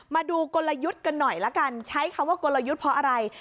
มาดูกลยุทธ์กันหน่อยละกันใช้คำว่ากลยุทธ์เพราะอะไร